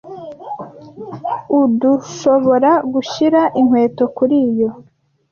Urdushoboragushira inkweto kuriyo.